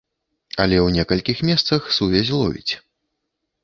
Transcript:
Але ў некалькіх месцах сувязь ловіць.